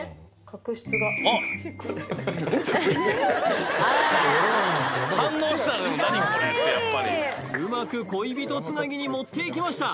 角質がうまく恋人繋ぎに持っていきました！